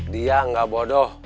dia enggak bodoh